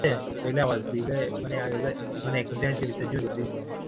মেয়েটি বলিল, না বাবা, সে হতে পারে না।